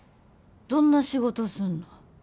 どんな仕事すんの？